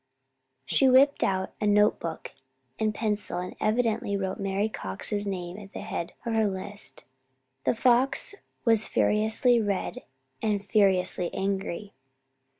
She whipped out a notebook and pencil and evidently wrote Mary Cox's name at the head of her list. The Fox was furiously red and furiously angry.